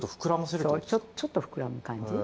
そうちょっと膨らむ感じ？